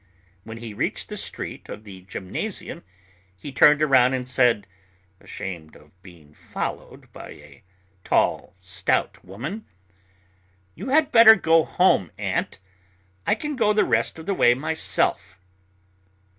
When he reached the street of the gymnasium, he turned around and said, ashamed of being followed by a tall, stout woman: "You had better go home, aunt. I can go the rest of the way myself."